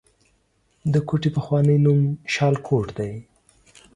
د کوټې پخوانی نوم شالکوټ دی